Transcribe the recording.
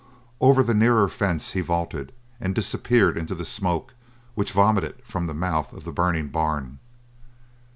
Over the nearer fence he vaulted and disappeared into the smoke which vomitted from the mouth of the burning barn.